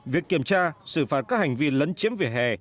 việc kiểm tra xử phạt các hành vi lấn chiếm vỉa hè